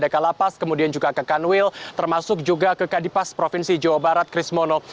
kalapas kemudian juga ke kanwil termasuk juga ke kadipas provinsi jawa barat krismono